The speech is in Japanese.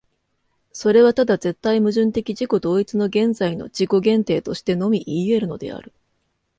それはただ絶対矛盾的自己同一の現在の自己限定としてのみいい得るのである。